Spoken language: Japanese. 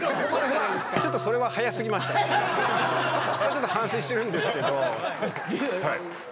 それは反省してるんですけど。